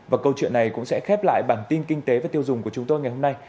và câu chuyện này cũng sẽ khép lại bản tin kinh tế và tiêu dùng của chúng tôi ngày hôm nay